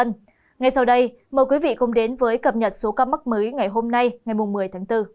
ngay sau đây mời quý vị cùng đến với cập nhật số ca mắc mới ngày hôm nay ngày một mươi tháng bốn